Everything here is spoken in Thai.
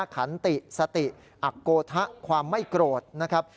ขันติสติอักโกธะความไม่โกรธนะครับ